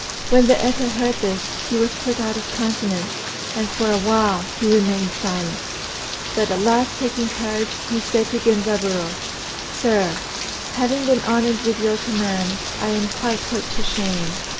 ] When the Eta heard this, he was put out of countenance, and for a while he remained silent; but at last taking courage, he said to Genzaburô, "Sir, having been honoured with your commands, I am quite put to shame.